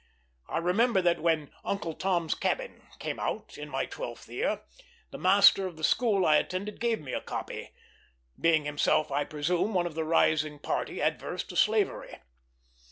I remember that when Uncle Tom's Cabin came out, in my twelfth year, the master of the school I attended gave me a copy; being himself, I presume, one of the rising party adverse to slavery.